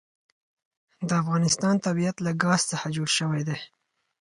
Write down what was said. د افغانستان طبیعت له ګاز څخه جوړ شوی دی.